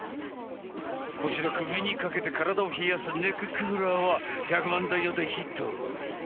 こちら首に掛けて体を冷やすネッククーラーは１００万台の大ヒット。